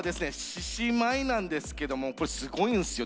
獅子舞なんですけどもこれすごいんすよ。